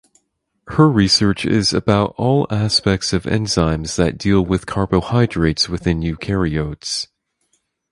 Her research is about all aspects of enzymes that deal with carbohydrates within eukaryotes.